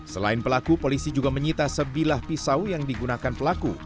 selain pelaku polisi juga menyita sebilah pisau yang digunakan pelaku